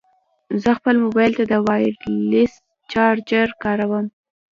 زه خپل مبایل ته د وایرلیس چارجر کاروم.